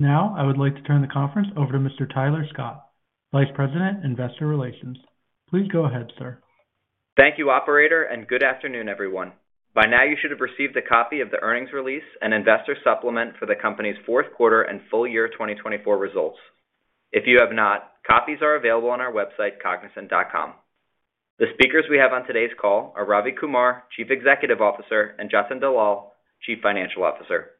Now, I would like to turn the conference over to Mr. Tyler Scott, Vice President, Investor Relations. Please go ahead, sir. Thank you, Operator, and good afternoon, everyone. By now, you should have received a copy of the earnings release and investor supplement for the company's fourth quarter and full year 2024 results. If you have not, copies are available on our website, cognizant.com. The speakers we have on today's call are Ravi Kumar, Chief Executive Officer, and Jatin Dalal, Chief Financial Officer.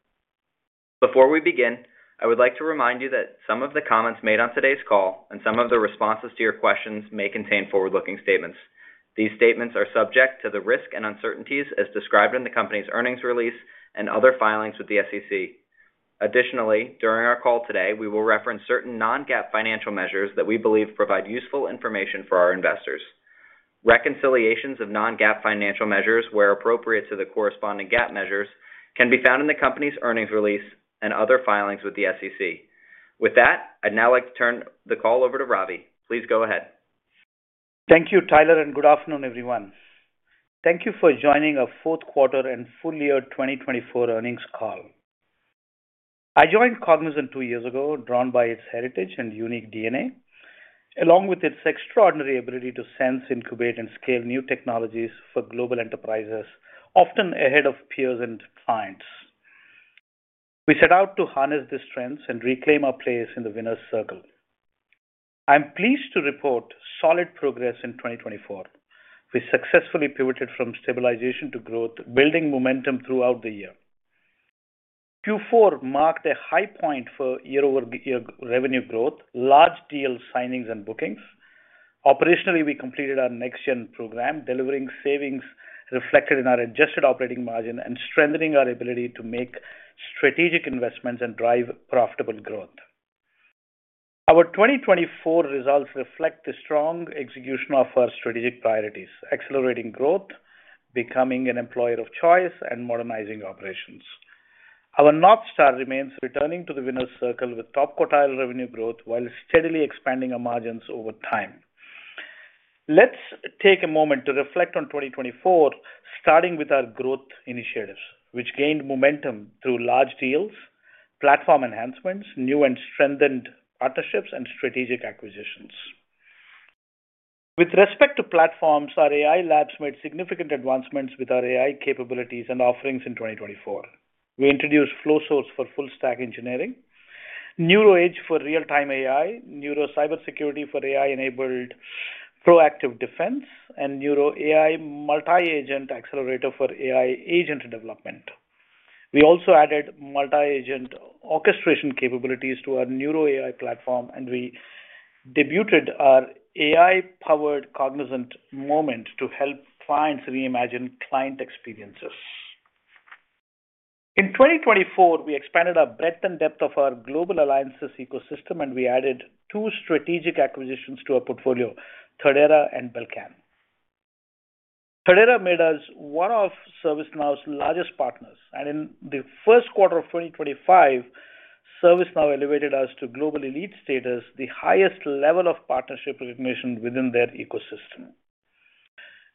Before we begin, I would like to remind you that some of the comments made on today's call and some of the responses to your questions may contain forward-looking statements. These statements are subject to the risk and uncertainties as described in the company's earnings release and other filings with the SEC. Additionally, during our call today, we will reference certain non-GAAP financial measures that we believe provide useful information for our investors. Reconciliations of non-GAAP financial measures, where appropriate to the corresponding GAAP measures, can be found in the company's earnings release and other filings with the SEC. With that, I'd now like to turn the call over to Ravi. Please go ahead. Thank you, Tyler, and good afternoon, everyone. Thank you for joining our fourth quarter and full year 2024 earnings call. I joined Cognizant two years ago, drawn by its heritage and unique DNA, along with its extraordinary ability to sense, incubate, and scale new technologies for global enterprises, often ahead of peers and clients. We set out to harness these strengths and reclaim our place in the winner's circle. I'm pleased to report solid progress in 2024. We successfully pivoted from stabilization to growth, building momentum throughout the year. Q4 marked a high point for year-over-year revenue growth, large deal signings and bookings. Operationally, we completed our NextGen program, delivering savings reflected in our adjusted operating margin and strengthening our ability to make strategic investments and drive profitable growth. Our 2024 results reflect the strong execution of our strategic priorities: accelerating growth, becoming an employer of choice, and modernizing operations. Our North Star remains returning to the winner's circle with top quartile revenue growth while steadily expanding our margins over time. Let's take a moment to reflect on 2024, starting with our growth initiatives, which gained momentum through large deals, platform enhancements, new and strengthened partnerships, and strategic acquisitions. With respect to platforms, our AI labs made significant advancements with our AI capabilities and offerings in 2024. We introduced Flowsource for full-stack engineering, Neuro Edge for real-time AI, Neuro Cybersecurity for AI-enabled proactive defense, and Neuro AI Multi-Agent Accelerator for AI agent development. We also added multi-agent orchestration capabilities to our Neuro AI platform, and we debuted our AI-powered Cognizant Moment to help clients reimagine client experiences. In 2024, we expanded our breadth and depth of our global alliances ecosystem, and we added two strategic acquisitions to our portfolio: Thirdera and Belcan. Thirdera made us one of ServiceNow's largest partners, and in the first quarter of 2025, ServiceNow elevated us to global elite status, the highest level of partnership recognition within their ecosystem.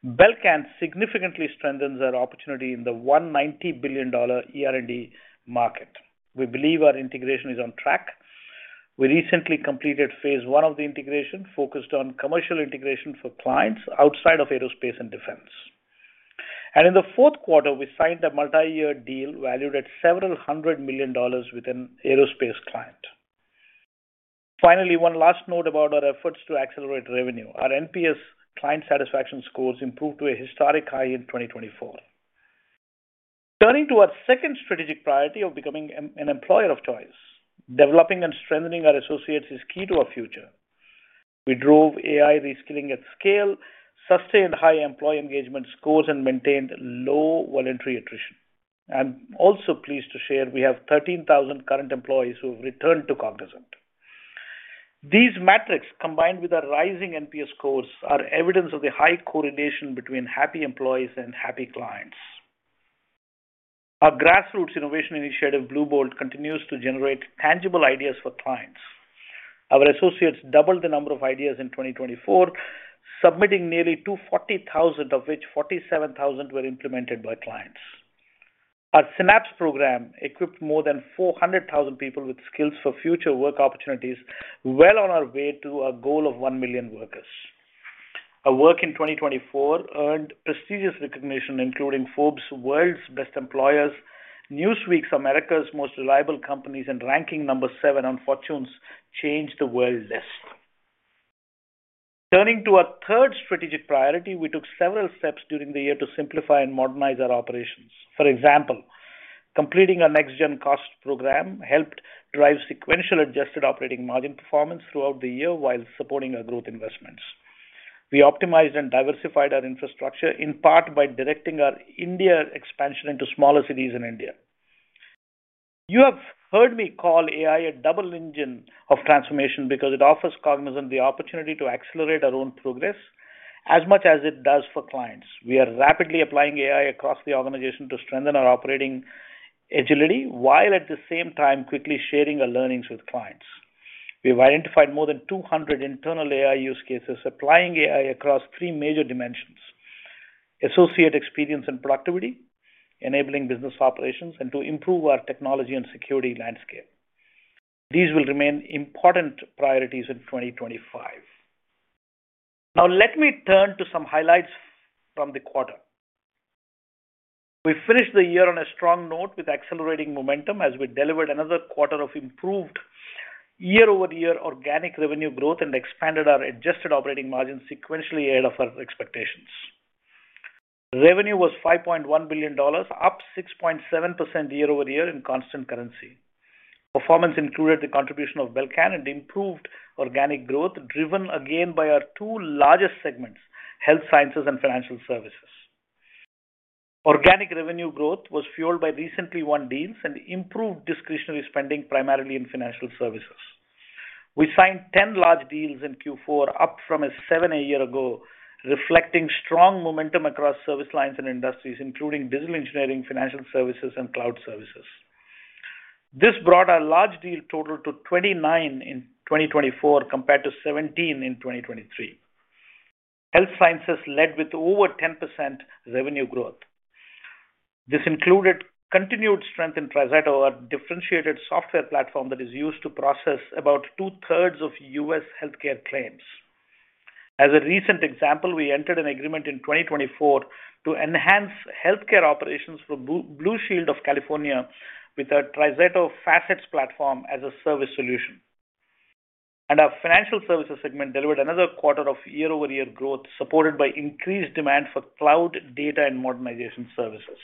Belcan significantly strengthens our opportunity in the $190 billion ER&D market. We believe our integration is on track. We recently completed phase one of the integration, focused on commercial integration for clients outside of aerospace and defense, and in the fourth quarter, we signed a multi-year deal valued at several hundred million dollars with an aerospace client. Finally, one last note about our efforts to accelerate revenue. Our NPS client satisfaction scores improved to a historic high in 2024. Turning to our second strategic priority of becoming an employer of choice, developing and strengthening our associates is key to our future. We drove AI reskilling at scale, sustained high employee engagement scores, and maintained low voluntary attrition. I'm also pleased to share we have 13,000 current employees who have returned to Cognizant. These metrics, combined with our rising NPS scores, are evidence of the high correlation between happy employees and happy clients. Our grassroots innovation initiative, Bluebolt, continues to generate tangible ideas for clients. Our associates doubled the number of ideas in 2024, submitting nearly 240,000, of which 47,000 were implemented by clients. Our Synapse program equipped more than 400,000 people with skills for future work opportunities, well on our way to a goal of 1 million workers. Our work in 2024 earned prestigious recognition, including Forbes' World's Best Employers, Newsweek's America's Most Reliable Companies, and ranking number seven on Fortune's Change the World list. Turning to our third strategic priority, we took several steps during the year to simplify and modernize our operations. For example, completing our NextGen Program helped drive sequential adjusted operating margin performance throughout the year while supporting our growth investments. We optimized and diversified our infrastructure, in part by directing our India expansion into smaller cities in India. You have heard me call AI a double engine of transformation because it offers Cognizant the opportunity to accelerate our own progress as much as it does for clients. We are rapidly applying AI across the organization to strengthen our operating agility while, at the same time, quickly sharing our learnings with clients. We have identified more than 200 internal AI use cases, applying AI across three major dimensions: associate experience and productivity, enabling business operations, and to improve our technology and security landscape. These will remain important priorities in 2025. Now, let me turn to some highlights from the quarter. We finished the year on a strong note with accelerating momentum as we delivered another quarter of improved year-over-year organic revenue growth and expanded our adjusted operating margin sequentially ahead of our expectations. Revenue was $5.1 billion, up 6.7% year-over-year in constant currency. Performance included the contribution of Belcan and improved organic growth, driven again by our two largest segments, Health Sciences and Financial Services. Organic revenue growth was fueled by recently won deals and improved discretionary spending, primarily in Financial Services. We signed 10 large deals in Q4, up from 7 a year ago, reflecting strong momentum across service lines and industries, including digital engineering, Financial Services, and cloud services. This brought our large deal total to 29 in 2024 compared to 17 in 2023. Health Sciences led with over 10% revenue growth. This included continued strength in TriZetto, our differentiated software platform that is used to process about two-thirds of U.S. healthcare claims. As a recent example, we entered an agreement in 2024 to enhance healthcare operations for Blue Shield of California with our TriZetto Facets platform as a service solution, and our Financial Services segment delivered another quarter of year-over-year growth, supported by increased demand for cloud data and modernization services.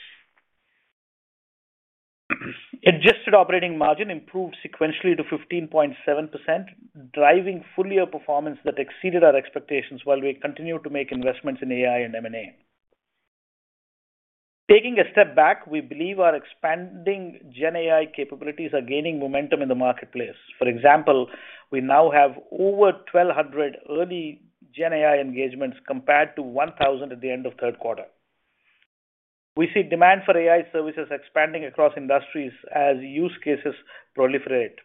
Adjusted operating margin improved sequentially to 15.7%, driving full-year performance that exceeded our expectations while we continue to make investments in AI and M&A. Taking a step back, we believe our expanding GenAI capabilities are gaining momentum in the marketplace. For example, we now have over 1,200 early GenAI engagements compared to 1,000 at the end of third quarter. We see demand for AI services expanding across industries as use cases proliferate.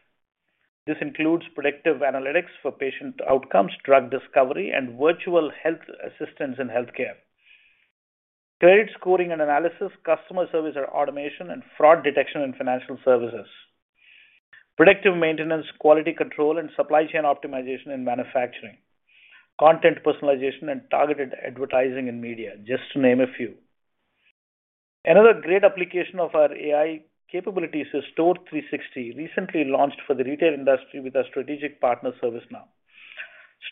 This includes predictive analytics for patient outcomes, drug discovery, and virtual health assistance in healthcare, credit scoring and analysis, customer service or automation, and fraud detection and Financial Services, predictive maintenance, quality control, and supply chain optimization in manufacturing, content personalization, and targeted advertising in media, just to name a few. Another great application of our AI capabilities is Store360, recently launched for the retail industry with our strategic partner, ServiceNow.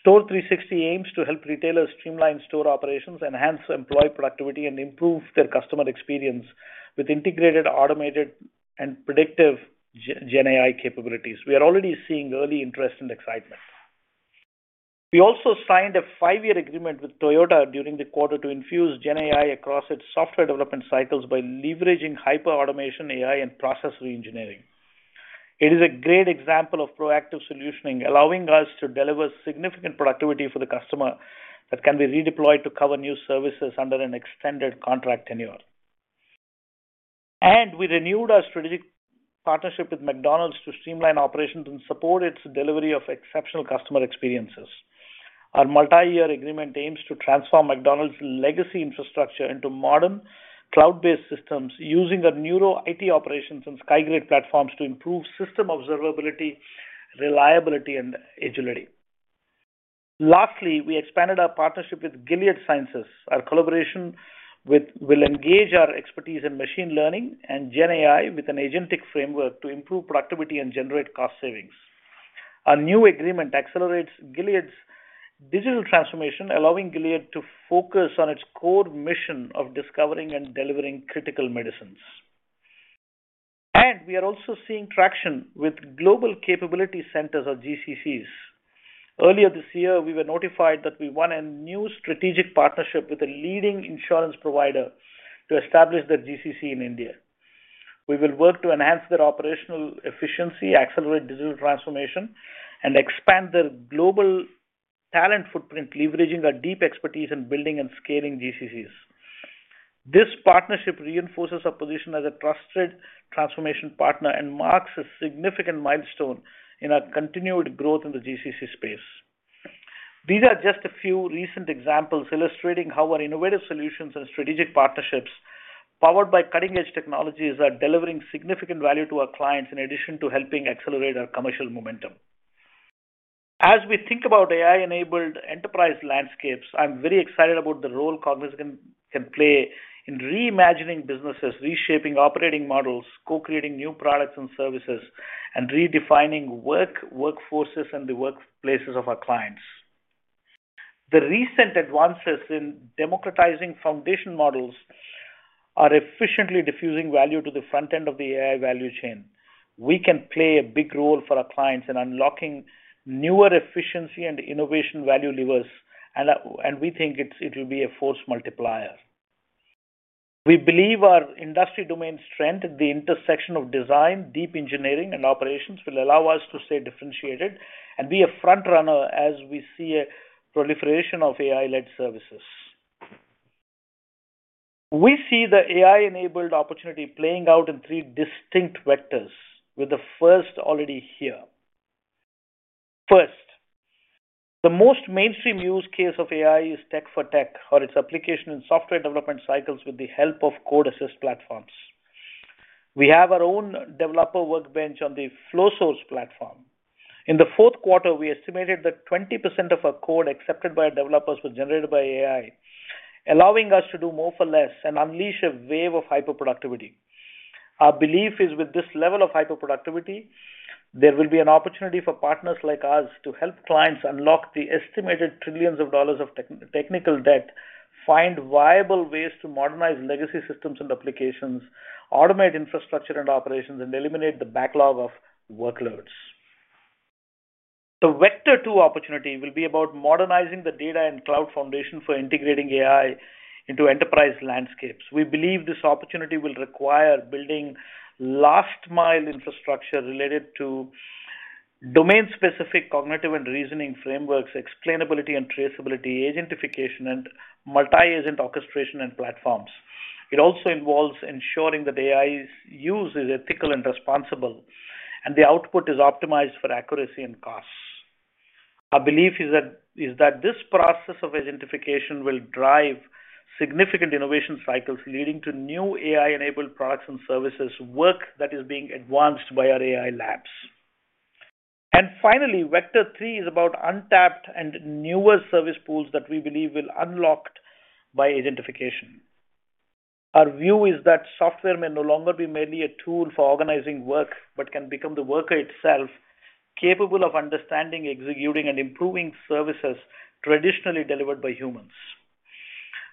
Store360 aims to help retailers streamline store operations, enhance employee productivity, and improve their customer experience with integrated, automated, and predictive GenAI capabilities. We are already seeing early interest and excitement. We also signed a five-year agreement with Toyota during the quarter to infuse GenAI across its software development cycles by leveraging hyper-automation AI and process re-engineering. It is a great example of proactive solutioning, allowing us to deliver significant productivity for the customer that can be redeployed to cover new services under an extended contract tenure. And we renewed our strategic partnership with McDonald's to streamline operations and support its delivery of exceptional customer experiences. Our multi-year agreement aims to transform McDonald's legacy infrastructure into modern cloud-based systems using our Neuro IT Operations and Skygrade platforms to improve system observability, reliability, and agility. Lastly, we expanded our partnership with Gilead Sciences. Our collaboration will engage our expertise in machine learning and GenAI with an agentic framework to improve productivity and generate cost savings. Our new agreement accelerates Gilead's digital transformation, allowing Gilead to focus on its core mission of discovering and delivering critical medicines. And we are also seeing traction with Global Capability Centers, or GCCs. Earlier this year, we were notified that we won a new strategic partnership with a leading insurance provider to establish their GCC in India. We will work to enhance their operational efficiency, accelerate digital transformation, and expand their global talent footprint, leveraging our deep expertise in building and scaling GCCs. This partnership reinforces our position as a trusted transformation partner and marks a significant milestone in our continued growth in the GCC space. These are just a few recent examples illustrating how our innovative solutions and strategic partnerships, powered by cutting-edge technologies, are delivering significant value to our clients in addition to helping accelerate our commercial momentum. As we think about AI-enabled enterprise landscapes, I'm very excited about the role Cognizant can play in reimagining businesses, reshaping operating models, co-creating new products and services, and redefining workforces and the workplaces of our clients. The recent advances in democratizing foundation models are efficiently diffusing value to the front end of the AI value chain. We can play a big role for our clients in unlocking newer efficiency and innovation value levers, and we think it will be a force multiplier. We believe our industry domain strength, the intersection of design, deep engineering, and operations, will allow us to stay differentiated and be a front runner as we see a proliferation of AI-led services. We see the AI-enabled opportunity playing out in three distinct vectors, with the first already here. First, the most mainstream use case of AI is tech for tech, or its application in software development cycles with the help of code-assist platforms. We have our own developer workbench on the Flowsource platform. In the fourth quarter, we estimated that 20% of our code accepted by developers was generated by AI, allowing us to do more for less and unleash a wave of hyperproductivity. Our belief is, with this level of hyperproductivity, there will be an opportunity for partners like us to help clients unlock the estimated trillions of dollars of technical debt, find viable ways to modernize legacy systems and applications, automate infrastructure and operations, and eliminate the backlog of workloads. The vector two opportunity will be about modernizing the data and cloud foundation for integrating AI into enterprise landscapes. We believe this opportunity will require building last-mile infrastructure related to domain-specific cognitive and reasoning frameworks, explainability and traceability, agentification, and multi-agent orchestration and platforms. It also involves ensuring that AI's use is ethical and responsible, and the output is optimized for accuracy and costs. Our belief is that this process of agentification will drive significant innovation cycles, leading to new AI-enabled products and services, work that is being advanced by our AI labs. And finally, vector three is about untapped and newer service pools that we believe will be unlocked by agentification. Our view is that software may no longer be merely a tool for organizing work, but can become the worker itself, capable of understanding, executing, and improving services traditionally delivered by humans.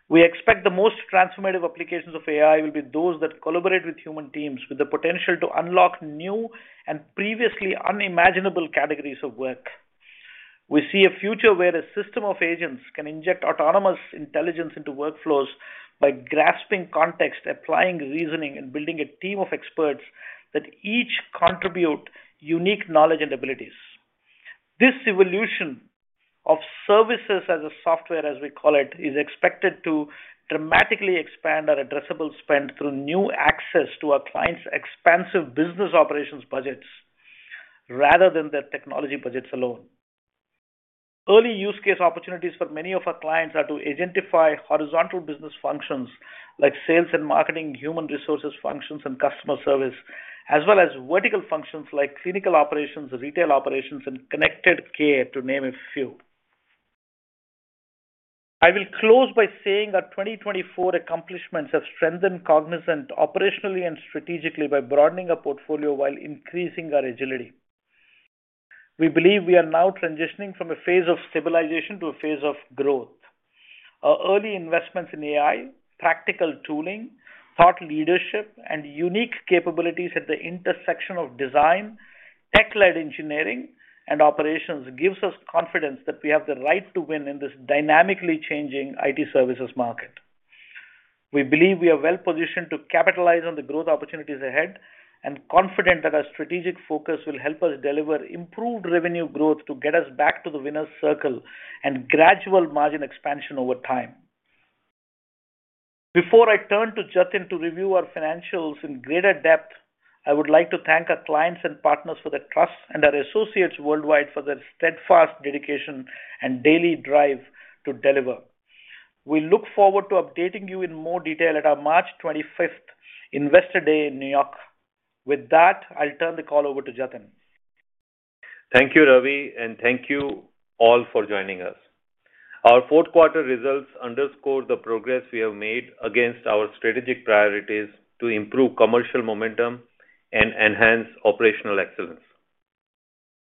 We expect the most transformative applications of AI will be those that collaborate with human teams, with the potential to unlock new and previously unimaginable categories of work. We see a future where a system of agents can inject autonomous intelligence into workflows by grasping context, applying reasoning, and building a team of experts that each contributes unique knowledge and abilities. This evolution of Services-as-Software, as we call it, is expected to dramatically expand our addressable spend through new access to our clients' expansive business operations budgets rather than their technology budgets alone. Early use case opportunities for many of our clients are to agentify horizontal business functions like sales and marketing, human resources functions, and customer service, as well as vertical functions like clinical operations, retail operations, and connected care, to name a few. I will close by saying our 2024 accomplishments have strengthened Cognizant operationally and strategically by broadening our portfolio while increasing our agility. We believe we are now transitioning from a phase of stabilization to a phase of growth. Our early investments in AI, practical tooling, thought leadership, and unique capabilities at the intersection of design, tech-led engineering, and operations give us confidence that we have the right to win in this dynamically changing IT services market. We believe we are well-positioned to capitalize on the growth opportunities ahead and confident that our strategic focus will help us deliver improved revenue growth to get us back to the winner's circle and gradual margin expansion over time. Before I turn to Jatin to review our financials in greater depth, I would like to thank our clients and partners for their trust and our associates worldwide for their steadfast dedication and daily drive to deliver. We look forward to updating you in more detail at our March 25th Investor Day in New York. With that, I'll turn the call over to Jatin. Thank you, Ravi, and thank you all for joining us. Our fourth quarter results underscore the progress we have made against our strategic priorities to improve commercial momentum and enhance operational excellence.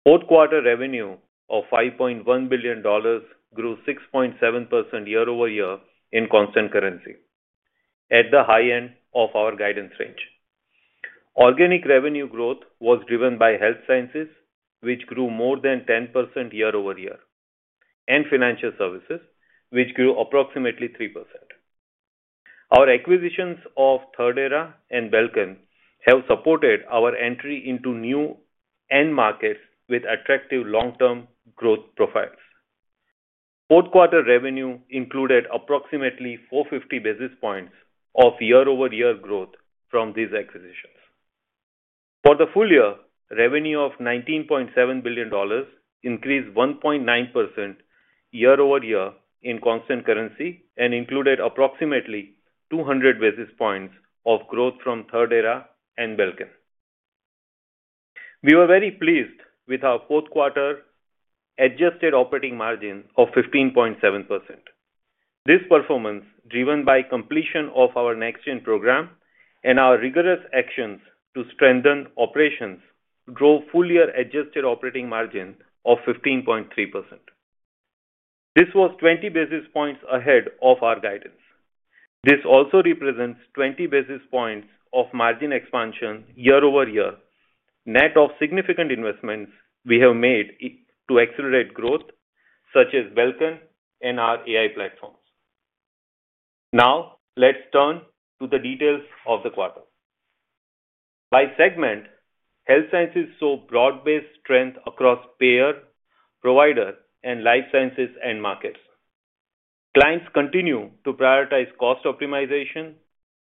Fourth quarter revenue of $5.1 billion grew 6.7% year-over-year in constant currency, at the high end of our guidance range. Organic revenue growth was driven by Health Sciences, which grew more than 10% year-over-year, and Financial Services, which grew approximately 3%. Our acquisitions of Thirdera and Belcan have supported our entry into new end markets with attractive long-term growth profiles. Fourth quarter revenue included approximately 450 basis points of year-over-year growth from these acquisitions. For the full year, revenue of $19.7 billion increased 1.9% year-over-year in constant currency and included approximately 200 basis points of growth from Thirdera and Belcan. We were very pleased with our fourth quarter adjusted operating margin of 15.7%. This performance, driven by completion of our NextGen Program and our rigorous actions to strengthen operations, drove full-year adjusted operating margin of 15.3%. This was 20 basis points ahead of our guidance. This also represents 20 basis points of margin expansion year-over-year, net of significant investments we have made to accelerate growth, such as Belcan and our AI platforms. Now, let's turn to the details of the quarter. By segment, Health Sciences saw broad-based strength across payer, provider, and life sciences end markets. Clients continue to prioritize cost optimization,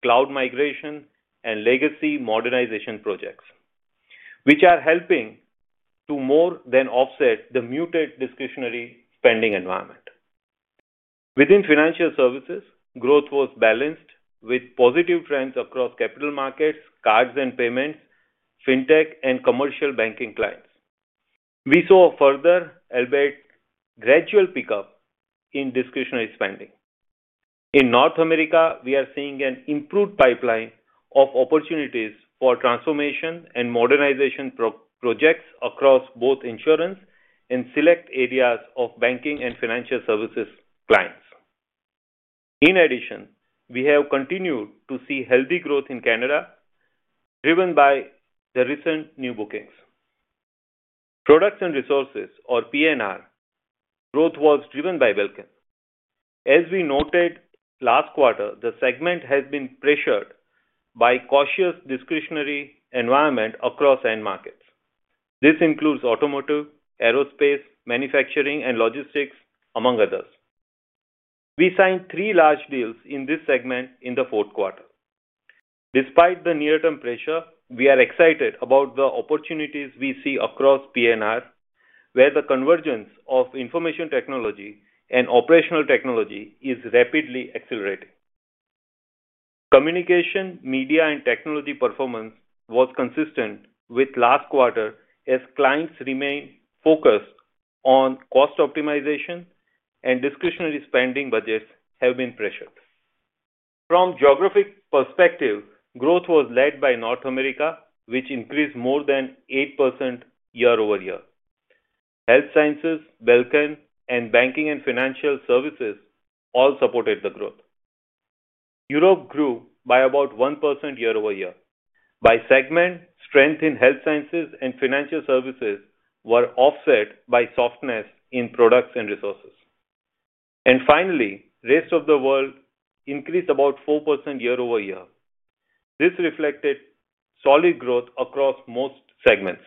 cloud migration, and legacy modernization projects, which are helping to more than offset the muted discretionary spending environment. Within Financial Services, growth was balanced with positive trends across capital markets, cards and payments, fintech, and commercial banking clients. We saw a further albeit gradual pickup in discretionary spending. In North America, we are seeing an improved pipeline of opportunities for transformation and modernization projects across both insurance and select areas of banking and Financial Services clients. In addition, we have continued to see healthy growth in Canada, driven by the recent new bookings. Products and Resources, or PNR, growth was driven by Belcan. As we noted last quarter, the segment has been pressured by a cautious discretionary environment across end markets. This includes automotive, aerospace, manufacturing, and logistics, among others. We signed three large deals in this segment in the fourth quarter. Despite the near-term pressure, we are excited about the opportunities we see across PNR, where the convergence of information technology and operational technology is rapidly accelerating. Communications, Media, and Technology performance was consistent with last quarter as clients remained focused on cost optimization, and discretionary spending budgets have been pressured. From a geographic perspective, growth was led by North America, which increased more than 8% year-over-year. Health Sciences, Belcan, and banking and Financial Services all supported the growth. Europe grew by about 1% year-over-year. By segment, strength in Health Sciences and Financial Services was offset by softness in Products and Resources. Finally, the rest of the world increased about 4% year-over-year. This reflected solid growth across most segments.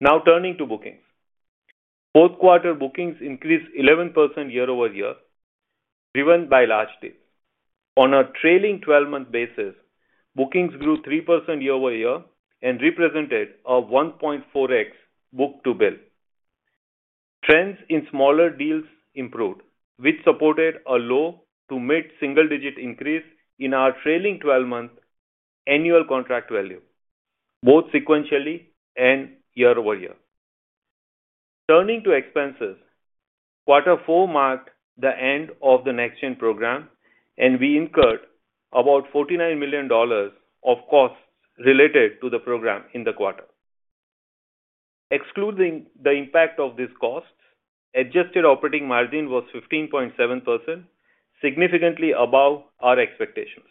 Now, turning to bookings. Fourth quarter bookings increased 11% year-over-year, driven by large deals. On a trailing 12-month basis, bookings grew 3% year-over-year and represented a 1.4x book-to-bill. Trends in smaller deals improved, which supported a low to mid-single-digit increase in our trailing 12-month annual contract value, both sequentially and year-over-year. Turning to expenses, quarter four marked the end of the NextGen Program, and we incurred about $49 million of costs related to the program in the quarter. Excluding the impact of these costs, adjusted operating margin was 15.7%, significantly above our expectations.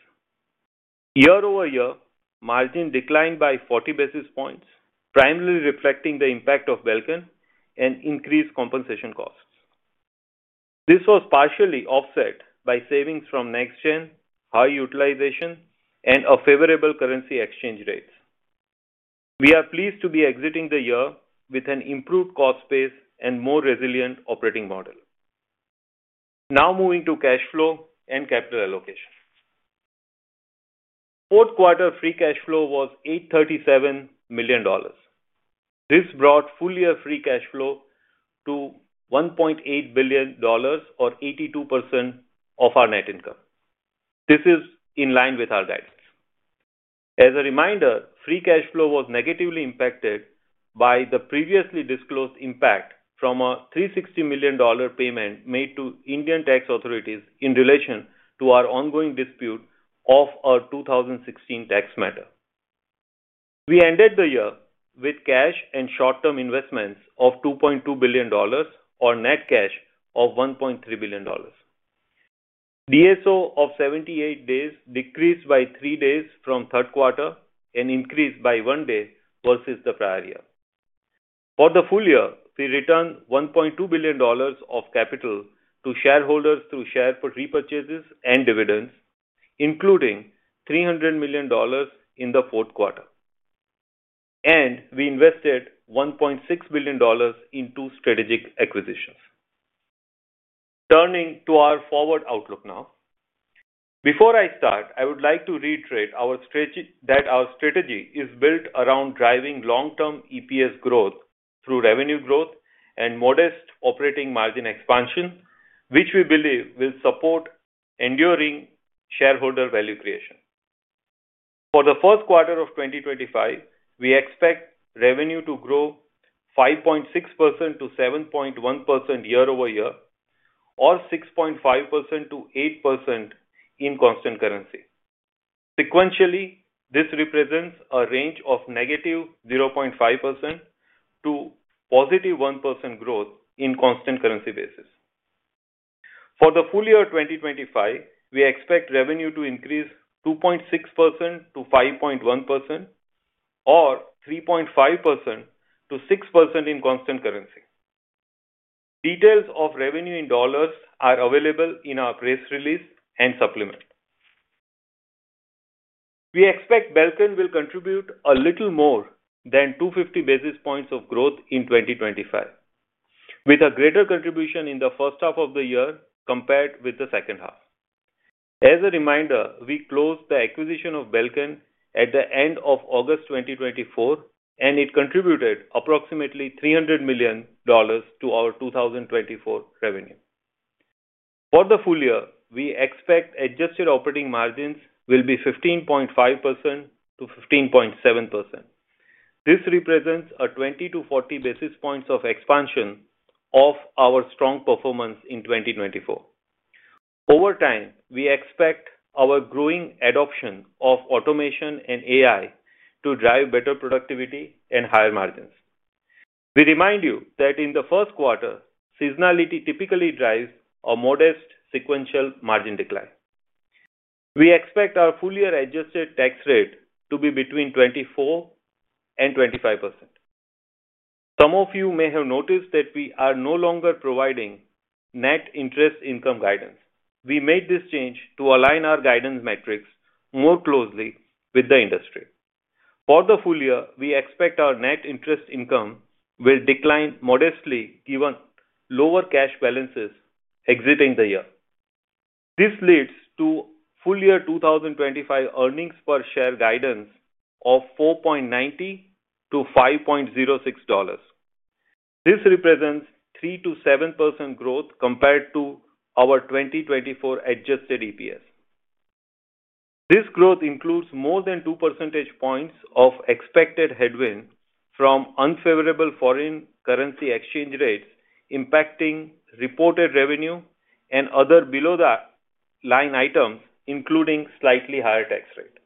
Year-over-year, margin declined by 40 basis points, primarily reflecting the impact of Belcan and increased compensation costs. This was partially offset by savings from NextGen, high utilization, and favorable currency exchange rates. We are pleased to be exiting the year with an improved cost base and more resilient operating model. Now, moving to cash flow and capital allocation. Fourth quarter free cash flow was $837 million. This brought full-year free cash flow to $1.8 billion, or 82% of our net income. This is in line with our guidance. As a reminder, free cash flow was negatively impacted by the previously disclosed impact from a $360 million payment made to Indian tax authorities in relation to our ongoing dispute of a 2016 tax matter. We ended the year with cash and short-term investments of $2.2 billion, or net cash of $1.3 billion. DSO of 78 days decreased by 3 days from third quarter and increased by 1 day versus the prior year. For the full year, we returned $1.2 billion of capital to shareholders through share repurchases and dividends, including $300 million in the fourth quarter. We invested $1.6 billion into strategic acquisitions. Turning to our forward outlook now. Before I start, I would like to reiterate that our strategy is built around driving long-term EPS growth through revenue growth and modest operating margin expansion, which we believe will support enduring shareholder value creation. For the first quarter of 2025, we expect revenue to grow 5.6%-7.1% year-over-year, or 6.5%-8% in constant currency. Sequentially, this represents a range of negative 0.5% to positive 1% growth on a constant currency basis. For the full year 2025, we expect revenue to increase 2.6%-5.1%, or 3.5%-6% in constant currency. Details of revenue in dollars are available in our press release and supplement. We expect Belcan will contribute a little more than 250 basis points of growth in 2025, with a greater contribution in the first half of the year compared with the second half. As a reminder, we closed the acquisition of Belcan at the end of August 2024, and it contributed approximately $300 million to our 2024 revenue. For the full year, we expect adjusted operating margins will be 15.5%-15.7%. This represents a 20 to 40 basis points of expansion of our strong performance in 2024. Over time, we expect our growing adoption of automation and AI to drive better productivity and higher margins. We remind you that in the first quarter, seasonality typically drives a modest sequential margin decline. We expect our full-year adjusted tax rate to be between 24% and 25%. Some of you may have noticed that we are no longer providing net interest income guidance. We made this change to align our guidance metrics more closely with the industry. For the full year, we expect our net interest income will decline modestly given lower cash balances exiting the year. This leads to full-year 2025 earnings per share guidance of $4.90 to $5.06. This represents 3% to 7% growth compared to our 2024 adjusted EPS. This growth includes more than 2 percentage points of expected headwind from unfavorable foreign currency exchange rates impacting reported revenue and other below-the-line items, including slightly higher tax rate.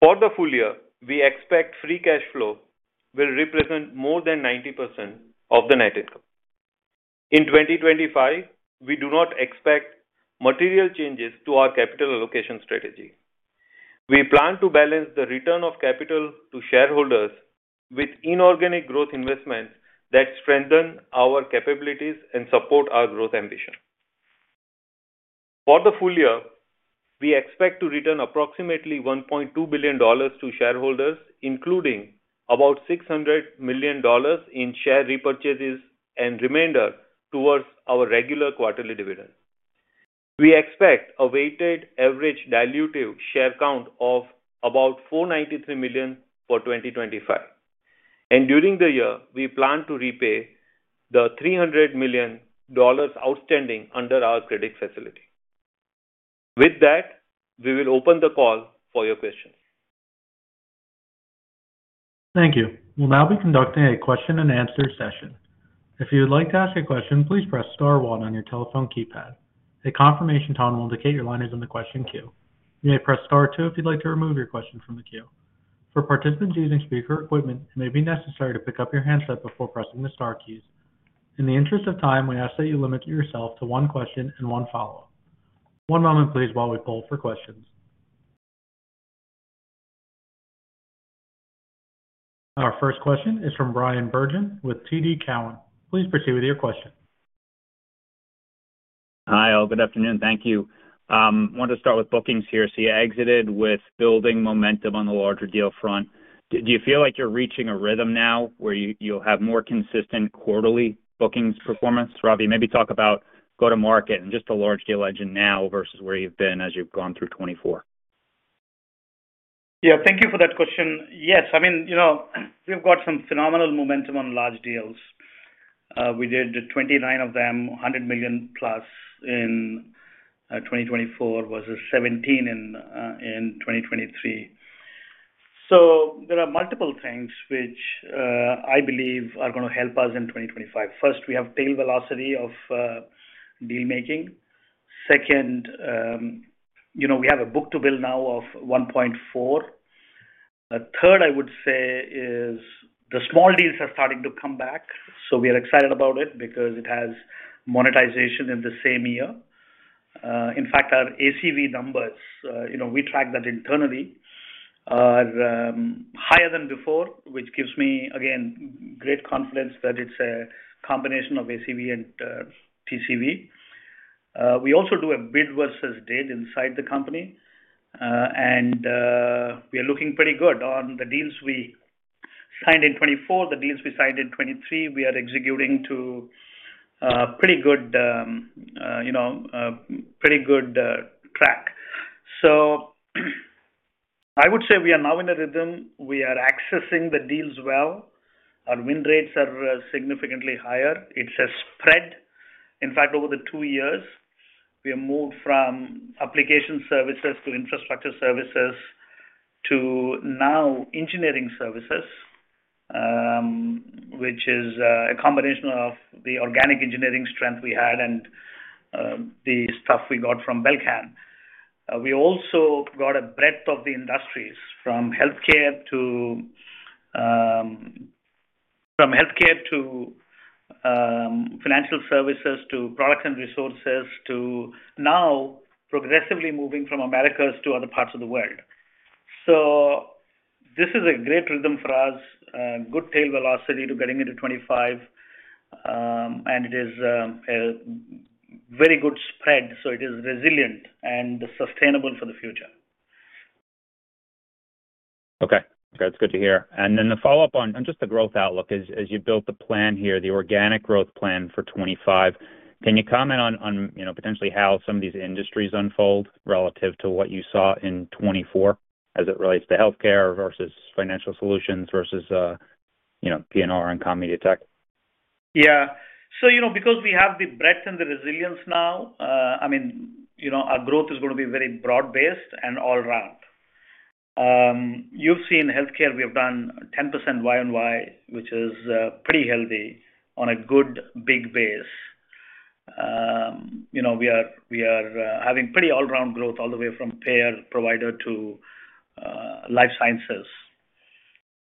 For the full year, we expect free cash flow will represent more than 90% of the net income. In 2025, we do not expect material changes to our capital allocation strategy. We plan to balance the return of capital to shareholders with inorganic growth investments that strengthen our capabilities and support our growth ambition. For the full year, we expect to return approximately $1.2 billion to shareholders, including about $600 million in share repurchases and remainder towards our regular quarterly dividends. We expect a weighted average dilutive share count of about 493 million for 2025. And during the year, we plan to repay the $300 million outstanding under our credit facility. With that, we will open the call for your questions. Thank you. We'll now be conducting a question-and-answer session. If you would like to ask a question, please press star 1 on your telephone keypad. A confirmation tone will indicate your line is in the question queue. You may press star 2 if you'd like to remove your question from the queue. For participants using speaker equipment, it may be necessary to pick up your handset before pressing the star keys. In the interest of time, we ask that you limit yourself to one question and one follow-up. One moment, please, while we pull for questions. Our first question is from Bryan Bergin with TD Cowen. Please proceed with your question. Hi. Good afternoon. Thank you. I wanted to start with bookings here. So you exited with building momentum on the larger deal front. Do you feel like you're reaching a rhythm now where you'll have more consistent quarterly bookings performance? Ravi, maybe talk about go-to-market and just the large deal engine now versus where you've been as you've gone through 2024. Yeah. Thank you for that question. Yes. I mean, we've got some phenomenal momentum on large deals. We did 29 of them, $100 million plus in 2024 versus 17 in 2023. So there are multiple things which I believe are going to help us in 2025. First, we have tail velocity of deal-making. Second, we have a book-to-bill now of 1.4. Third, I would say is the small deals are starting to come back. So we are excited about it because it has monetization in the same year. In fact, our ACV numbers, we track that internally, are higher than before, which gives me, again, great confidence that it's a combination of ACV and TCV. We also do a bid versus bid inside the company. And we are looking pretty good on the deals we signed in 2024. The deals we signed in 2023, we are executing to a pretty good track. So I would say we are now in a rhythm. We are accessing the deals well. Our win rates are significantly higher. It's a spread. In fact, over the two years, we have moved from application services to infrastructure services to now engineering services, which is a combination of the organic engineering strength we had and the stuff we got from Belcan. We also got a breadth of the industries from healthcare to Financial Services to Products and Resources to now progressively moving from Americas to other parts of the world. So this is a great rhythm for us, good tail velocity to getting into 2025, and it is a very good spread, so it is resilient and sustainable for the future. Okay. That's good to hear. The follow-up on just the growth outlook is, as you built the plan here, the organic growth plan for 2025, can you comment on potentially how some of these industries unfold relative to what you saw in 2024 as it relates to healthcare versus Financial Services versus PNR and CMT? Yeah. So because we have the breadth and the resilience now, I mean, our growth is going to be very broad-based and all-round. You've seen healthcare. We have done 10% YoY, which is pretty healthy on a good big base. We are having pretty all-round growth all the way from payers, providers to life sciences.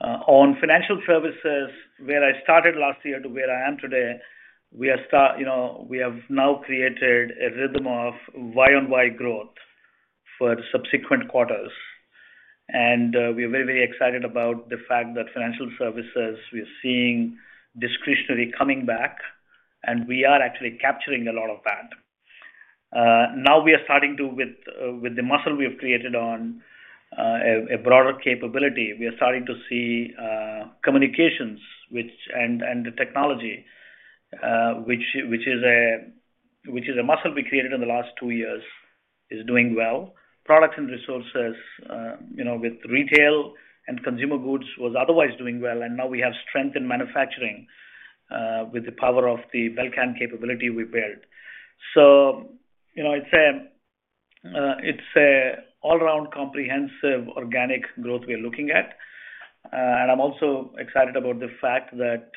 On Financial Services, where I started last year to where I am today, we have now created a rhythm of YoY growth for subsequent quarters. We are very, very excited about the fact that Financial Services, we are seeing discretionary coming back, and we are actually capturing a lot of that. Now we are starting to, with the muscle we have created on a broader capability, we are starting to see Communications and Technology, which is a muscle we created in the last two years, is doing well. Products and Resources with retail and consumer goods was otherwise doing well. Now we have strength in manufacturing with the power of the Belcan capability we built. It's an all-round comprehensive organic growth we're looking at. I'm also excited about the fact that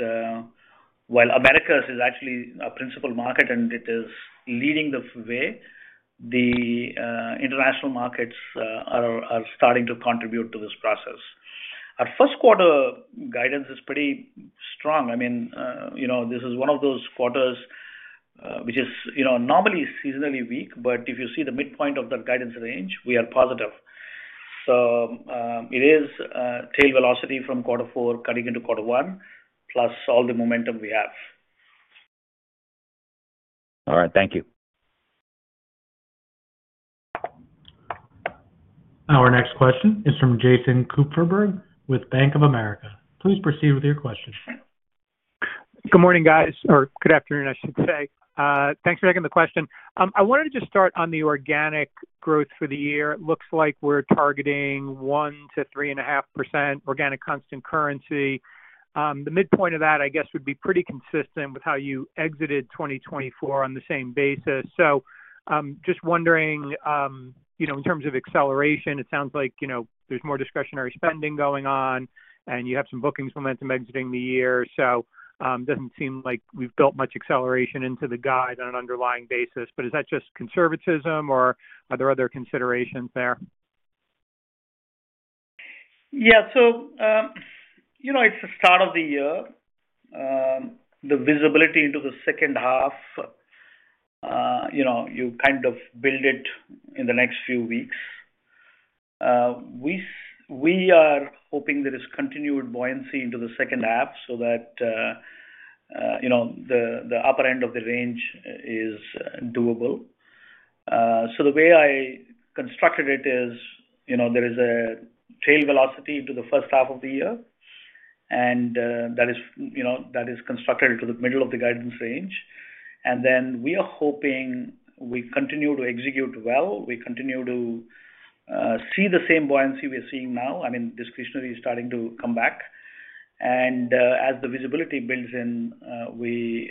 while Americas is actually a principal market and it is leading the way, the international markets are starting to contribute to this process. Our first quarter guidance is pretty strong. I mean, this is one of those quarters which is normally seasonally weak, but if you see the midpoint of that guidance range, we are positive. So it is tail velocity from quarter four cutting into quarter one plus all the momentum we have. All right. Thank you. Our next question is from Jason Kupferberg with Bank of America. Please proceed with your question. Good morning, guys, or good afternoon, I should say. Thanks for taking the question. I wanted to just start on the organic growth for the year. It looks like we're targeting 1%-3.5% organic constant currency. The midpoint of that, I guess, would be pretty consistent with how you exited 2024 on the same basis. So just wondering, in terms of acceleration, it sounds like there's more discretionary spending going on, and you have some bookings momentum exiting the year. So it doesn't seem like we've built much acceleration into the guide on an underlying basis. But is that just conservatism, or are there other considerations there? Yeah. So it's the start of the year. The visibility into the second half, you kind of build it in the next few weeks. We are hoping there is continued buoyancy into the second half so that the upper end of the range is doable. So the way I constructed it is there is a tail velocity into the first half of the year, and that is constructed into the middle of the guidance range. And then we are hoping we continue to execute well. We continue to see the same buoyancy we're seeing now. I mean, discretionary is starting to come back. And as the visibility builds in, we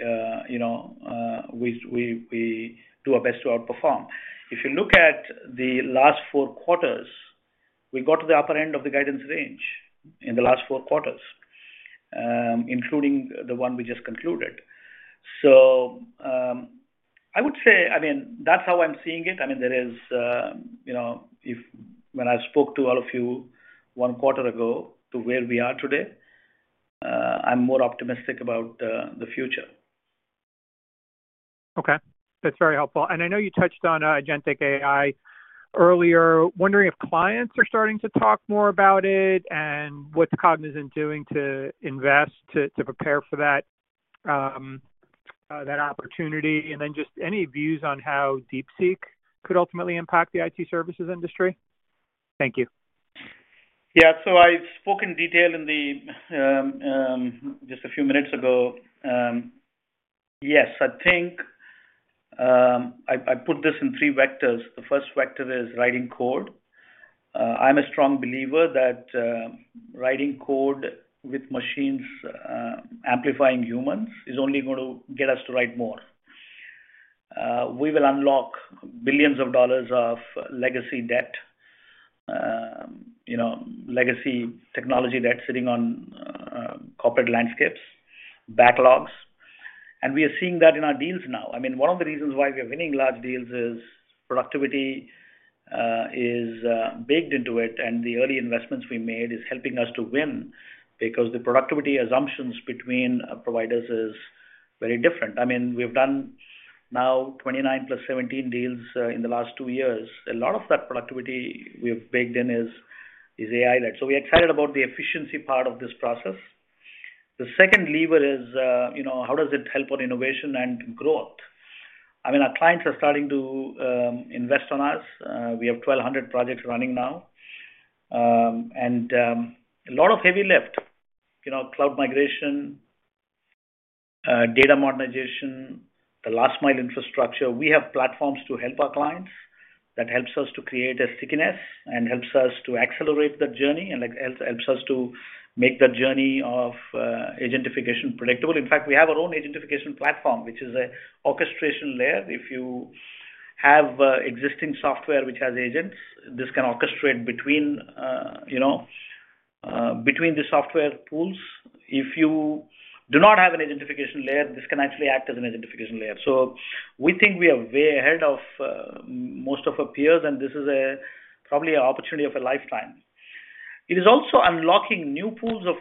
do our best to outperform. If you look at the last four quarters, we got to the upper end of the guidance range in the last four quarters, including the one we just concluded. So I would say, I mean, that's how I'm seeing it. I mean, there is, when I spoke to all of you one quarter ago to where we are today, I'm more optimistic about the future. Okay. That's very helpful. And I know you touched on Agentic AI earlier. Wondering if clients are starting to talk more about it and what's Cognizant doing to invest to prepare for that opportunity. And then just any views on how DeepSeek could ultimately impact the IT services industry? Thank you. Yeah. So I spoke in detail just a few minutes ago. Yes. I think I put this in three vectors. The first vector is writing code. I'm a strong believer that writing code with machines amplifying humans is only going to get us to write more. We will unlock billions of dollars of legacy debt, legacy technology debt sitting on corporate landscapes, backlogs, and we are seeing that in our deals now. I mean, one of the reasons why we are winning large deals is productivity is baked into it, and the early investments we made are helping us to win because the productivity assumptions between providers are very different. I mean, we've done now 29 plus 17 deals in the last two years. A lot of that productivity we have baked in is AI-led. So we're excited about the efficiency part of this process. The second lever is how does it help on innovation and growth? I mean, our clients are starting to invest in us. We have 1,200 projects running now. And a lot of heavy lift, cloud migration, data modernization, the last-mile infrastructure. We have platforms to help our clients that help us to create a stickiness and help us to accelerate the journey and help us to make the journey of agentification predictable. In fact, we have our own agentification platform, which is an orchestration layer. If you have existing software which has agents, this can orchestrate between the software pools. If you do not have an agentification layer, this can actually act as an agentification layer. So we think we are way ahead of most of our peers, and this is probably an opportunity of a lifetime. It is also unlocking new pools of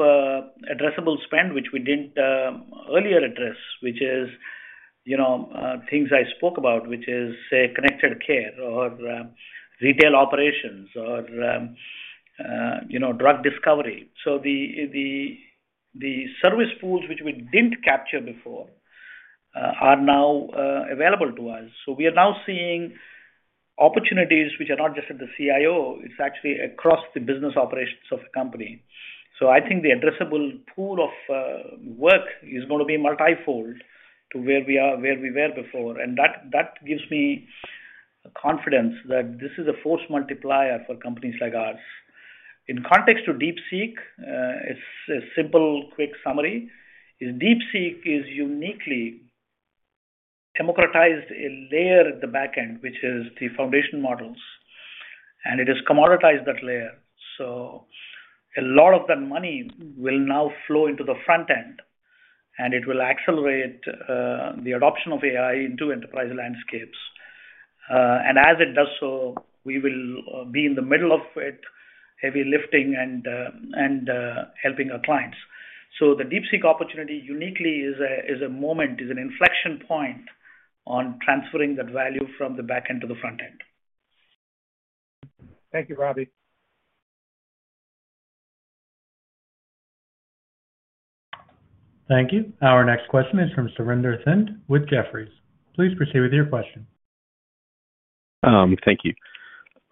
addressable spend, which we didn't earlier address, which is things I spoke about, which is, say, connected care or retail operations or drug discovery. So the service pools which we didn't capture before are now available to us. So we are now seeing opportunities which are not just at the CIO. It's actually across the business operations of a company. So I think the addressable pool of work is going to be multifold to where we were before. And that gives me confidence that this is a force multiplier for companies like ours. In context to DeepSeek, it's a simple, quick summary. DeepSeek is uniquely democratized a layer at the back end, which is the foundation models. And it has commoditized that layer. So a lot of that money will now flow into the front end, and it will accelerate the adoption of AI into enterprise landscapes. And as it does so, we will be in the middle of it, heavy lifting and helping our clients. So the DeepSeek opportunity uniquely is a moment, is an inflection point on transferring that value from the back end to the front end. Thank you, Ravi. Thank you. Our next question is from Surinder Thind with Jefferies. Please proceed with your question. Thank you.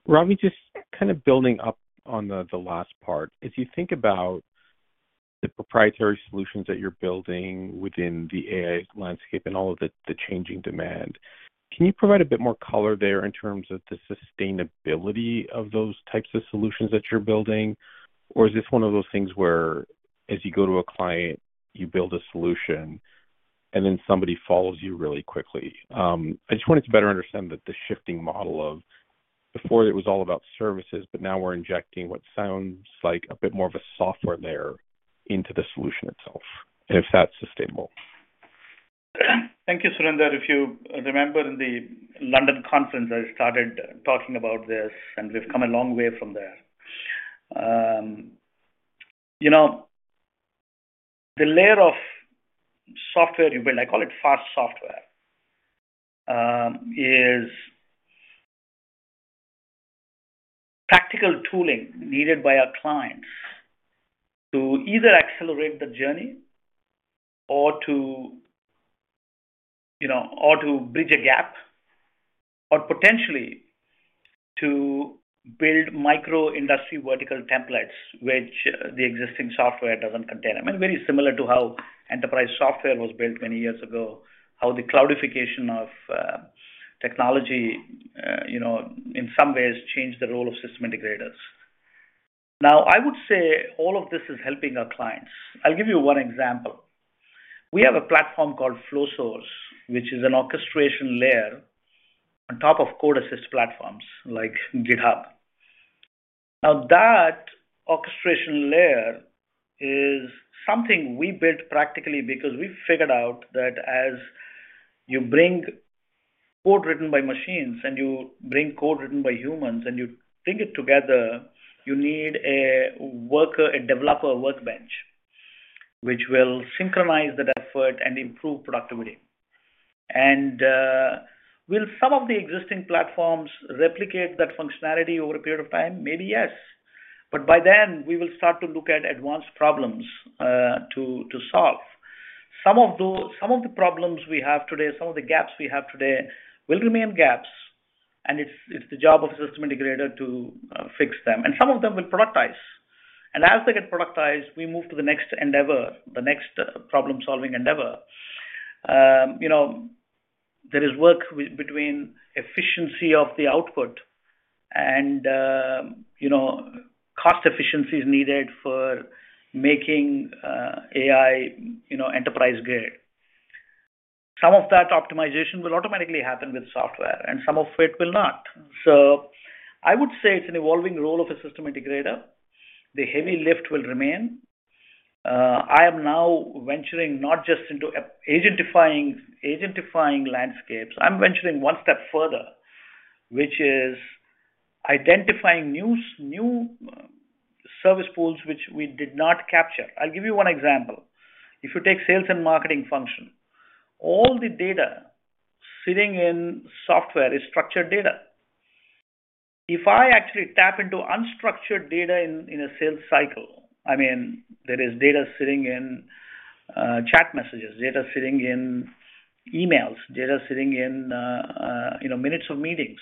Ravi, just kind of building up on the last part. As you think about the proprietary solutions that you're building within the AI landscape and all of the changing demand, can you provide a bit more color there in terms of the sustainability of those types of solutions that you're building? Or is this one of those things where, as you go to a client, you build a solution, and then somebody follows you really quickly? I just wanted to better understand the shifting model of, before it was all about services, but now we're injecting what sounds like a bit more of a software layer into the solution itself, if that's sustainable? Thank you, Surinder. If you remember in the London conference, I started talking about this, and we've come a long way from there. The layer of software you built, I call it fast software, is practical tooling needed by our clients to either accelerate the journey or to bridge a gap or potentially to build micro-industry vertical templates, which the existing software doesn't contain. I mean, very similar to how enterprise software was built many years ago, how the cloudification of technology in some ways changed the role of system integrators. Now, I would say all of this is helping our clients. I'll give you one example. We have a platform called Flowsource, which is an orchestration layer on top of code-assist platforms like GitHub. Now, that orchestration layer is something we built practically because we figured out that as you bring code written by machines and you bring code written by humans and you bring it together, you need a developer workbench which will synchronize that effort and improve productivity, and will some of the existing platforms replicate that functionality over a period of time? Maybe yes, but by then, we will start to look at advanced problems to solve. Some of the problems we have today, some of the gaps we have today will remain gaps, and it's the job of a system integrator to fix them, and some of them will productize, and as they get productized, we move to the next endeavor, the next problem-solving endeavor. There is work between efficiency of the output and cost efficiencies needed for making AI enterprise-grade. Some of that optimization will automatically happen with software, and some of it will not. So I would say it's an evolving role of a system integrator. The heavy lift will remain. I am now venturing not just into agentifying landscapes. I'm venturing one step further, which is identifying new service pools which we did not capture. I'll give you one example. If you take sales and marketing function, all the data sitting in software is structured data. If I actually tap into unstructured data in a sales cycle, I mean, there is data sitting in chat messages, data sitting in emails, data sitting in minutes of meetings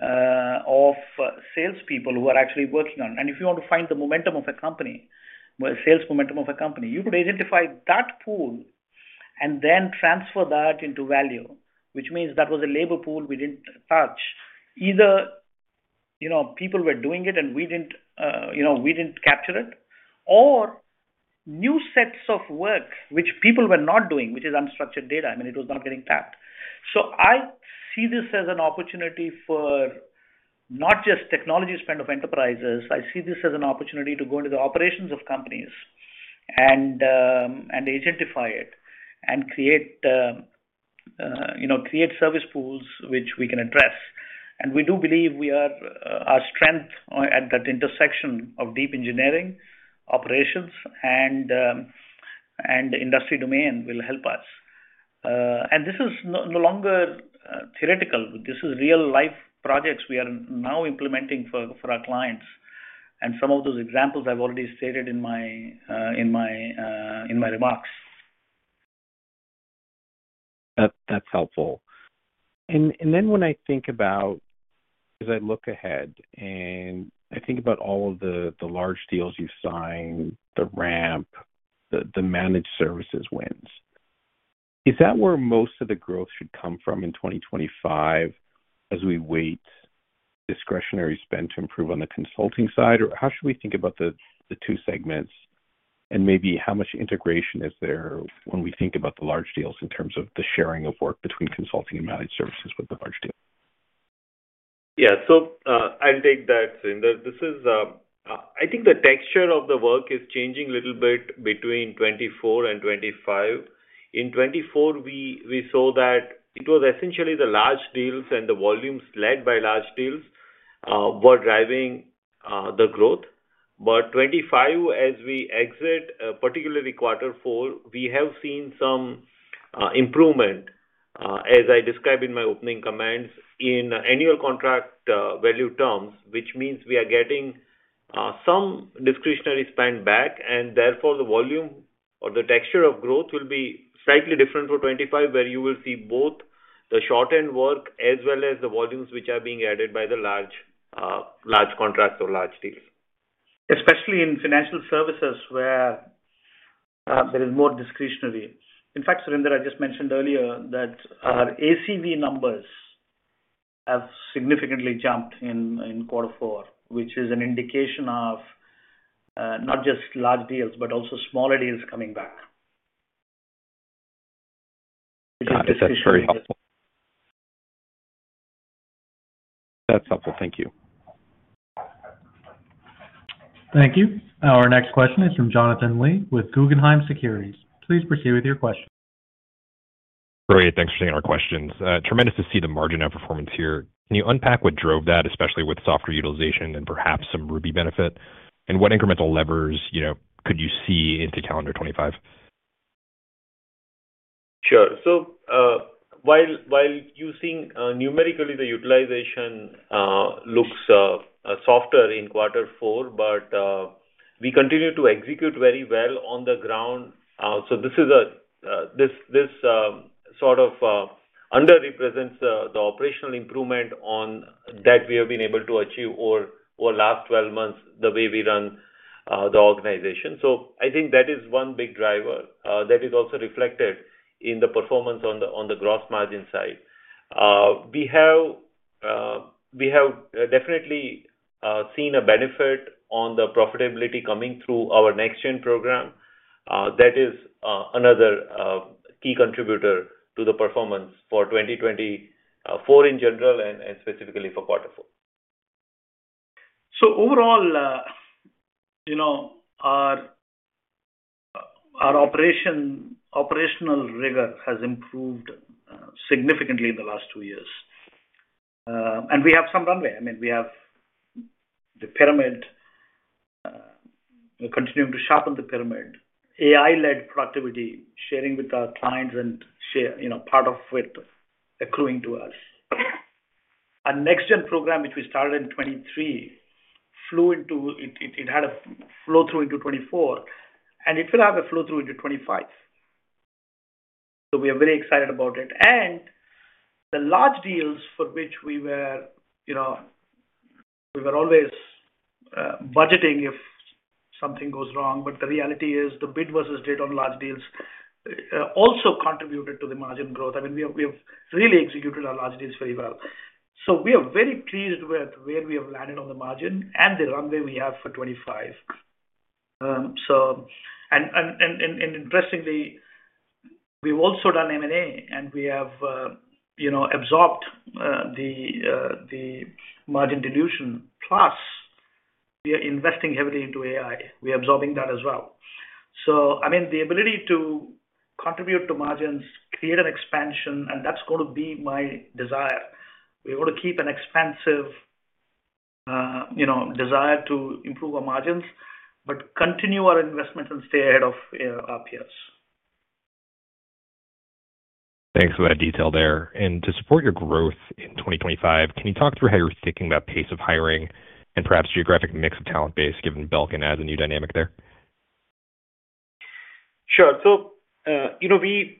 of salespeople who are actually working on. And if you want to find the momentum of a company, sales momentum of a company, you could identify that pool and then transfer that into value, which means that was a labor pool we didn't touch. Either people were doing it and we didn't capture it, or new sets of work which people were not doing, which is unstructured data. I mean, it was not getting tapped. So I see this as an opportunity for not just technology spend of enterprises. I see this as an opportunity to go into the operations of companies and agentify it and create service pools which we can address. And we do believe our strength at that intersection of deep engineering, operations, and industry domain will help us. And this is no longer theoretical. This is real-life projects we are now implementing for our clients. And some of those examples I've already stated in my remarks. That's helpful. And then when I think about, as I look ahead and I think about all of the large deals you've signed, the ramp, the managed services wins, is that where most of the growth should come from in 2025 as we wait discretionary spend to improve on the consulting side? Or how should we think about the two segments? And maybe how much integration is there when we think about the large deals in terms of the sharing of work between consulting and managed services with the large deals? Yeah. So I'll take that, Surinder. I think the texture of the work is changing a little bit between 2024 and 2025. In 2024, we saw that it was essentially the large deals and the volumes led by large deals were driving the growth. But 2025, as we exit, particularly quarter four, we have seen some improvement, as I described in my opening comments, in annual contract value terms, which means we are getting some discretionary spend back. And therefore, the volume or the texture of growth will be slightly different for 2025, where you will see both the short-end work as well as the volumes which are being added by the large contracts or large deals. Especially in Financial Services where there is more discretionary. In fact, Surinder, I just mentioned earlier that our ACV numbers have significantly jumped in quarter four, which is an indication of not just large deals, but also smaller deals coming back. Which is discretionary. That's helpful. Thank you. Thank you. Our next question is from Jonathan Lee with Guggenheim Securities. Please proceed with your question. Great. Thanks for taking our questions. Tremendous to see the margin of performance here. Can you unpack what drove that, especially with software utilization and perhaps some Rupee benefit? And what incremental levers could you see into calendar 2025? Sure. So while you're seeing numerically, the utilization looks softer in quarter four, but we continue to execute very well on the ground. So this sort of underrepresents the operational improvement that we have been able to achieve over the last 12 months the way we run the organization. So I think that is one big driver that is also reflected in the performance on the gross margin side. We have definitely seen a benefit on the profitability coming through our NextGen Program. That is another key contributor to the performance for 2024 in general and specifically for quarter four. So overall, our operational rigor has improved significantly in the last two years. And we have some runway. I mean, we have the pyramid continuing to sharpen the pyramid, AI-led productivity, sharing with our clients, and part of it accruing to us. Our NextGen Program, which we started in 2023, flow-through into 2024, and it will have a flow-through into 2025. So we are very excited about it. And the large deals for which we were always budgeting if something goes wrong, but the reality is the bid versus bid on large deals also contributed to the margin growth. I mean, we have really executed our large deals very well. So we are very pleased with where we have landed on the margin and the runway we have for 2025. And interestingly, we've also done M&A, and we have absorbed the margin dilution. Plus, we are investing heavily into AI. We are absorbing that as well. So I mean, the ability to contribute to margins, create an expansion, and that's going to be my desire. We're going to keep an expansive desire to improve our margins, but continue our investments and stay ahead of our peers. Thanks for that detail there. And to support your growth in 2025, can you talk through how you're thinking about pace of hiring and perhaps geographic mix of talent base given Belcan as a new dynamic there? Sure. So we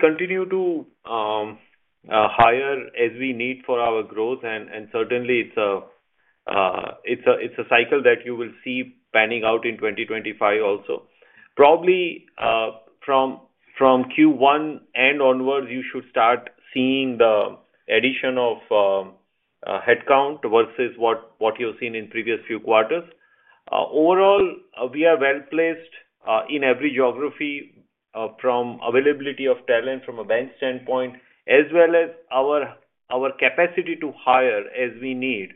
continue to hire as we need for our growth. And certainly, it's a cycle that you will see panning out in 2025 also. Probably from Q1 and onwards, you should start seeing the addition of headcount versus what you've seen in previous few quarters. Overall, we are well placed in every geography from availability of talent from a bench standpoint, as well as our capacity to hire as we need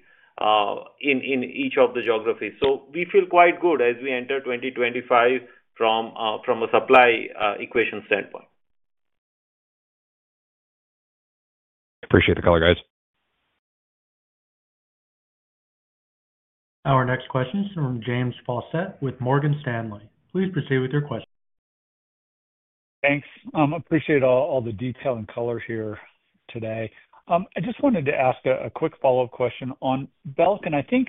in each of the geographies. So we feel quite good as we enter 2025 from a supply equation standpoint. Appreciate the color, guys. Our next question is from James Faucette with Morgan Stanley. Please proceed with your question. Thanks. Appreciate all the detail and color here today. I just wanted to ask a quick follow-up question on Belcan. I think,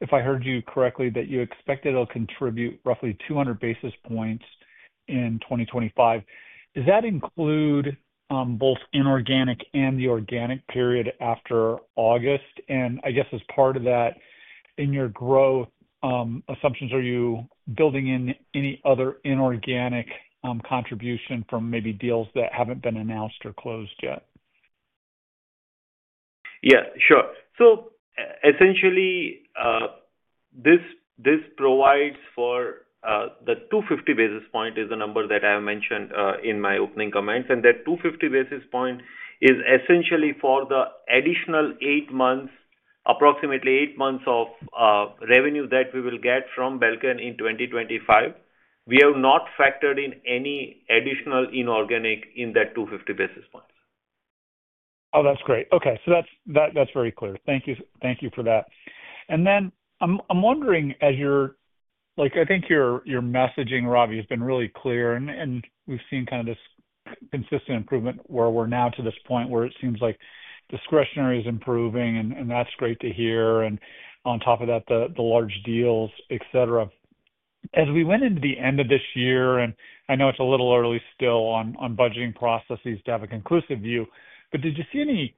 if I heard you correctly, that you expected to contribute roughly 200 basis points in 2025. Does that include both inorganic and the organic period after August? And I guess as part of that, in your growth assumptions, are you building in any other inorganic contribution from maybe deals that haven't been announced or closed yet? Yeah. Sure. So essentially, this provides for the 250 basis point is the number that I have mentioned in my opening comments. And that 250 basis point is essentially for the additional approximately eight months of revenue that we will get from Belcan in 2025. We have not factored in any additional inorganic in that 250 basis points. Oh, that's great. Okay. So that's very clear. Thank you for that. And then I'm wondering, as you're I think your messaging, Ravi, has been really clear, and we've seen kind of this consistent improvement where we're now to this point where it seems like discretionary is improving, and that's great to hear. And on top of that, the large deals, etc. As we went into the end of this year, and I know it's a little early still on budgeting processes to have a conclusive view, but did you see any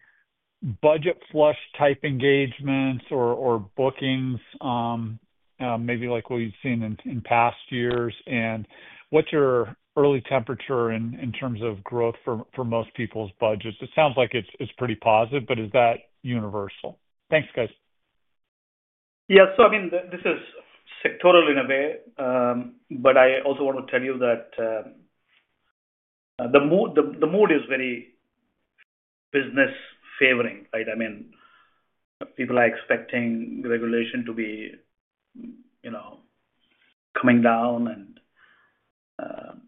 budget flush-type engagements or bookings, maybe like what you've seen in past years? And what's your early temperature in terms of growth for most people's budgets? It sounds like it's pretty positive, but is that universal? Thanks, guys. Yeah. So I mean, this is sectoral in a way, but I also want to tell you that the mood is very business-favoring, right? I mean, people are expecting regulation to be coming down, and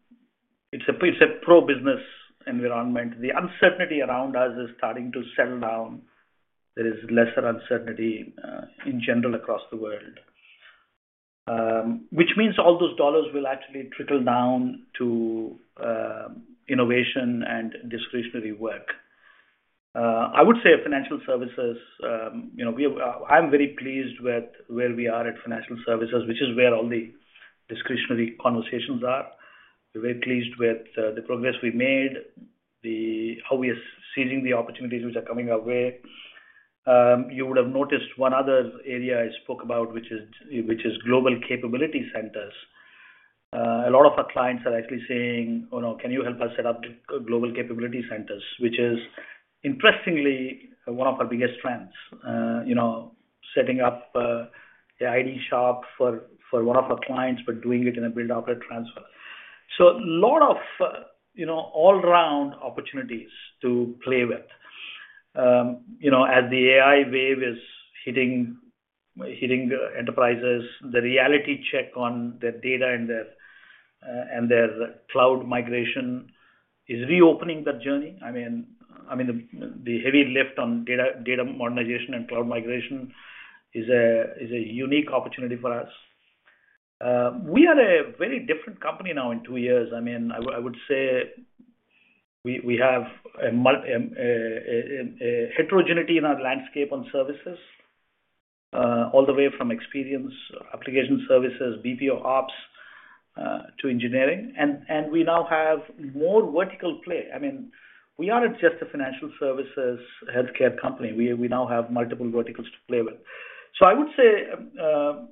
it's a pro-business environment. The uncertainty around us is starting to settle down. There is lesser uncertainty in general across the world, which means all those dollars will actually trickle down to innovation and discretionary work. I would say Financial Services. I'm very pleased with where we are at Financial Services, which is where all the discretionary conversations are. We're very pleased with the progress we made, how we are seizing the opportunities which are coming our way. You would have noticed one other area I spoke about, which is global capability centers. A lot of our clients are actually saying, "Can you help us set up global capability centers?" which is, interestingly, one of our biggest strengths, setting up an IT shop for one of our clients, but doing it in a build-operate-transfer. So a lot of all-round opportunities to play with. As the AI wave is hitting enterprises, the reality check on their data and their cloud migration is reopening that journey. I mean, the heavy lift on data modernization and cloud migration is a unique opportunity for us. We are a very different company now in two years. I mean, I would say we have a heterogeneity in our landscape on services, all the way from experience, application services, BPO ops to engineering. And we now have more vertical play. I mean, we aren't just a Financial Services healthcare company. We now have multiple verticals to play with. So I would say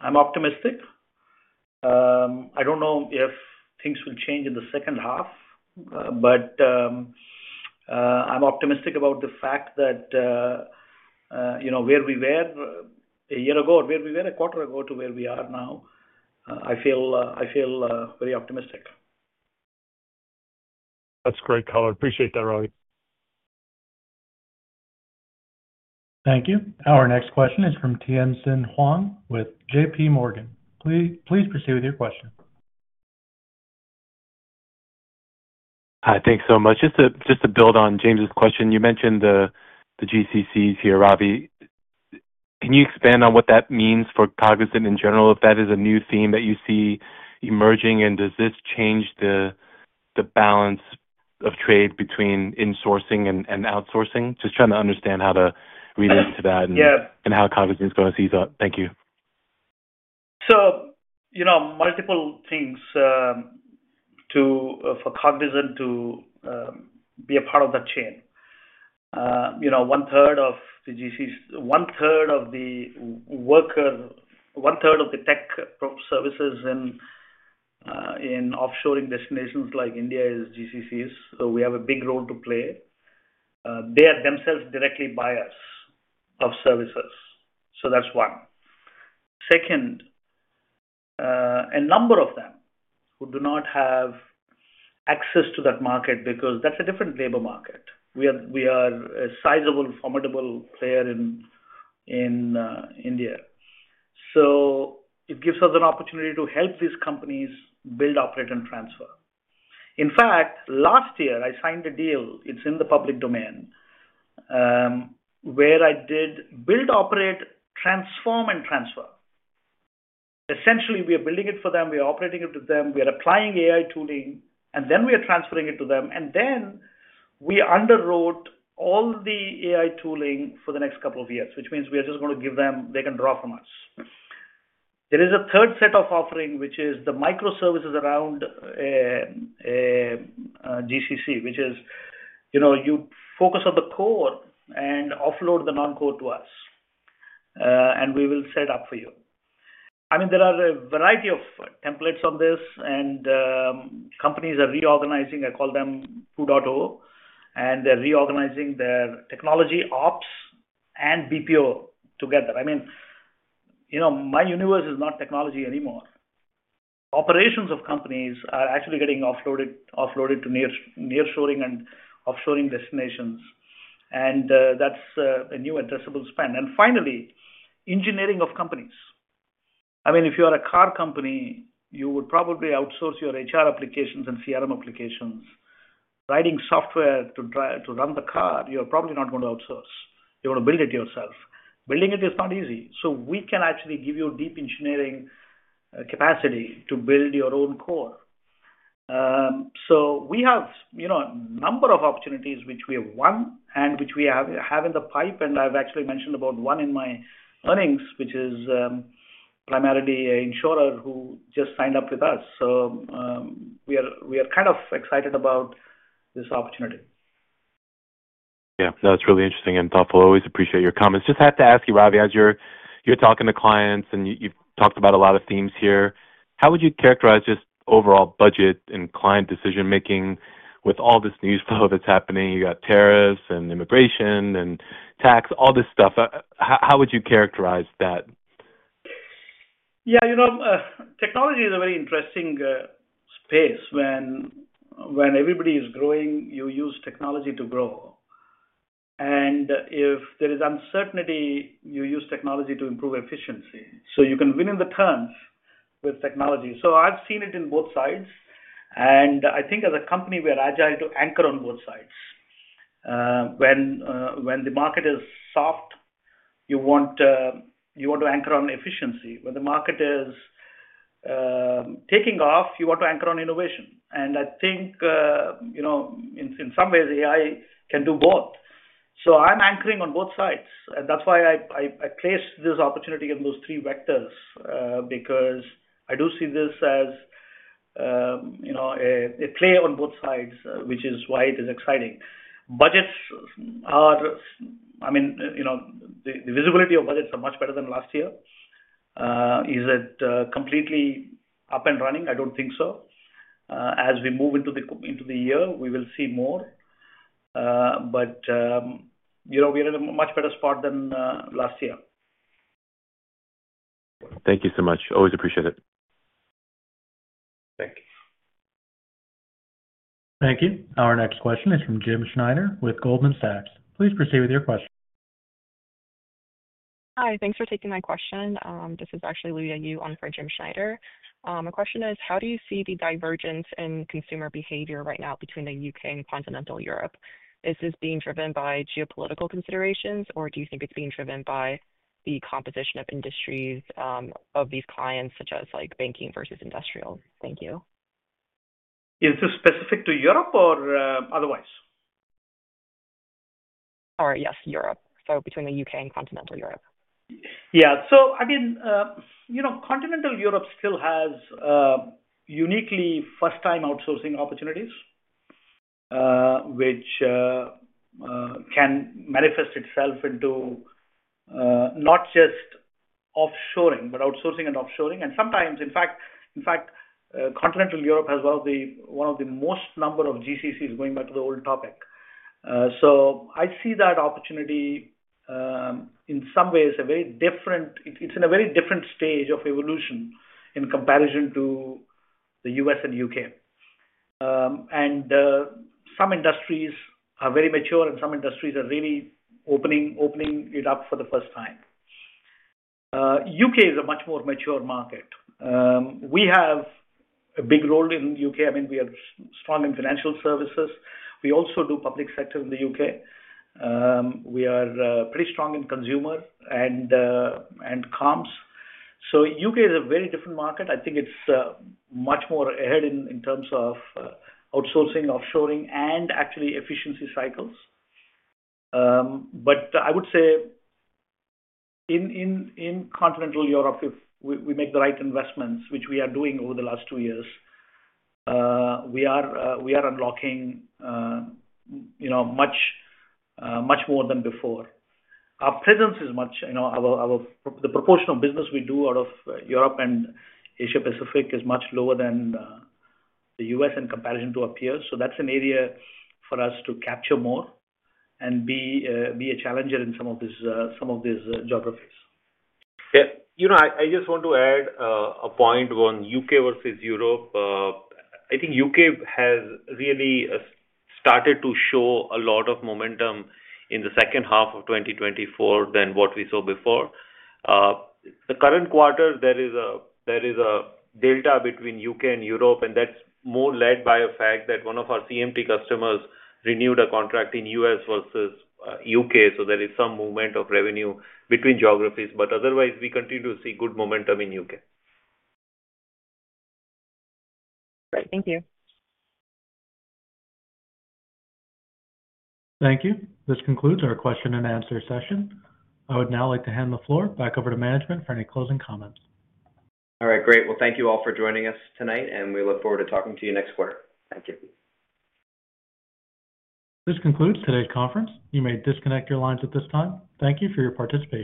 I'm optimistic. I don't know if things will change in the second half, but I'm optimistic about the fact that where we were a year ago or where we were a quarter ago to where we are now, I feel very optimistic. That's great, color. Appreciate that, Ravi. Thank you. Our next question is from Tien-tsin Huang with J.P. Morgan. Please proceed with your question. Hi, thanks so much. Just to build on James's question, you mentioned the GCCs here, Ravi. Can you expand on what that means for Cognizant in general? If that is a new theme that you see emerging, and does this change the balance of trade between insourcing and outsourcing? Just trying to understand how to read into that and how Cognizant is going to size up. Thank you. So multiple things for Cognizant to be a part of that chain. One-third of the GCCs, one-third of the workers, one-third of the tech services in offshoring destinations like India is GCCs. So we have a big role to play. They are themselves directly buyers of services. So that's one. Second, a number of them who do not have access to that market because that's a different labor market. We are a sizable, formidable player in India. So it gives us an opportunity to help these companies build, operate, and transfer. In fact, last year, I signed a deal. It's in the public domain where I did build, operate, transform, and transfer. Essentially, we are building it for them. We are operating it with them. We are applying AI tooling, and then we are transferring it to them, and then we underwrote all the AI tooling for the next couple of years, which means we are just going to give them, they can draw from us. There is a third set of offering, which is the microservices around GCC, which is you focus on the core and offload the non-core to us, and we will set up for you. I mean, there are a variety of templates on this, and companies are reorganizing. I call them 2.0, and they're reorganizing their technology ops and BPO together. I mean, my universe is not technology anymore. Operations of companies are actually getting offloaded to nearshoring and offshoring destinations. And that's a new addressable span. And finally, engineering of companies. I mean, if you are a car company, you would probably outsource your HR applications and CRM applications. Writing software to run the car, you're probably not going to outsource. You're going to build it yourself. Building it is not easy. So we can actually give you deep engineering capacity to build your own core. So we have a number of opportunities which we have won and which we have in the pipe. And I've actually mentioned about one in my earnings, which is primarily an insurer who just signed up with us. So we are kind of excited about this opportunity. Yeah. That's really interesting and thoughtful. Always appreciate your comments. Just have to ask you, Ravi, as you're talking to clients and you've talked about a lot of themes here, how would you characterize this overall budget and client decision-making with all this news flow that's happening? You got tariffs and immigration and tax, all this stuff. How would you characterize that? Yeah. Technology is a very interesting space. When everybody is growing, you use technology to grow. And if there is uncertainty, you use technology to improve efficiency. So you can win in the turns with technology. So I've seen it in both sides. And I think as a company, we are agile to anchor on both sides. When the market is soft, you want to anchor on efficiency. When the market is taking off, you want to anchor on innovation. And I think in some ways, AI can do both. So I'm anchoring on both sides. And that's why I placed this opportunity in those three vectors because I do see this as a play on both sides, which is why it is exciting. I mean, the visibility of budgets are much better than last year. Is it completely up and running? I don't think so. As we move into the year, we will see more. But we are in a much better spot than last year. Thank you so much. Always appreciate it. Thank you. Thank you. Our next question is from Jim Schneider with Goldman Sachs. Please proceed with your question. Hi. Thanks for taking my question. This is actually Julia Yu on for Jim Schneider. My question is, how do you see the divergence in consumer behavior right now between the U.K. and Continental Europe? Is this being driven by geopolitical considerations, or do you think it's being driven by the composition of industries of these clients, such as banking versus industrial? Thank you. Is this specific to Europe or otherwise? Sorry. Yes, Europe. So between the U.K. and Continental Europe. Yeah. So I mean, Continental Europe still has uniquely first-time outsourcing opportunities, which can manifest itself into not just offshoring, but outsourcing and offshoring. And sometimes, in fact, Continental Europe has one of the most number of GCCs going back to the old topic. So I see that opportunity in some ways a very different it's in a very different stage of evolution in comparison to the U.S. and U.K. And some industries are very mature, and some industries are really opening it up for the first time. U.K. is a much more mature market. We have a big role in the U.K. I mean, we are strong in Financial Services. We also do public sector in the U.K. We are pretty strong in consumer and comms. So U.K. is a very different market. I think it's much more ahead in terms of outsourcing, offshoring, and actually efficiency cycles. But I would say in Continental Europe, if we make the right investments, which we are doing over the last two years, we are unlocking much more than before. Our presence is much the proportion of business we do out of Europe and Asia-Pacific is much lower than the U.S. in comparison to our peers. So that's an area for us to capture more and be a challenger in some of these geographies. Yeah. I just want to add a point on U.K. versus Europe. I think the U.K. has really started to show a lot of momentum in the second half of 2024 than what we saw before. The current quarter, there is a delta between the U.K. and Europe, and that's more led by a fact that one of our CMT customers renewed a contract in the U.S. versus U.K. So there is some movement of revenue between geographies. But otherwise, we continue to see good momentum in the U.K. Great. Thank you. Thank you. This concludes our question-and-answer session. I would now like to hand the floor back over to management for any closing comments. All right. Great. Well, thank you all for joining us tonight, and we look forward to talking to you next quarter. Thank you. This concludes today's conference. You may disconnect your lines at this time. Thank you for your participation.